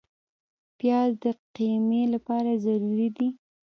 پیاز د قیمې لپاره ضروري دی